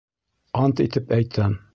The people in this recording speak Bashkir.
Ант итеп әйтәм!